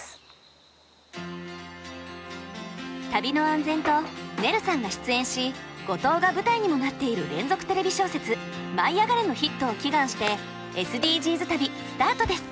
旅の安全とねるさんが出演し五島が舞台にもなっている連続テレビ小説「舞いあがれ！」のヒットを祈願してＳＤＧｓ旅スタートです。